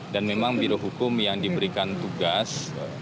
memang birohukum yang diberikan tugas